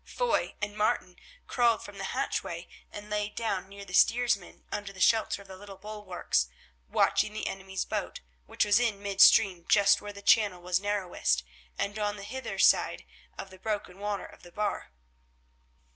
Foy and Martin crawled from the hatchway and lay down near the steersman under the shelter of the little bulwarks, watching the enemy's boat, which was in midstream just where the channel was narrowest, and on the hither side of the broken water of the bar.